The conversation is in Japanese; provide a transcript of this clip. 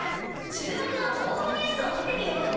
注目の情報技術を見てみよう。